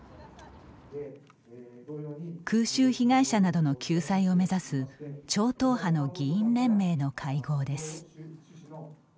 空襲被害者などの救済を目指す超党派の議員連盟の会合です。